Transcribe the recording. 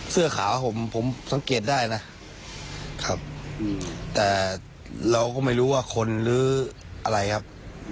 เสื้อขาวผมผมสังเกตได้นะครับแต่เราก็ไม่รู้ว่าคนหรืออะไรครับ